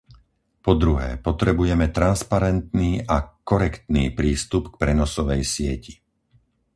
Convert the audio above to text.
Po druhé, potrebujeme transparentný a korektný prístup k prenosovej sieti.